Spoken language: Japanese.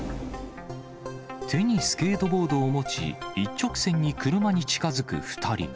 手にスケートボードを持ち、一直線に車に近づく２人。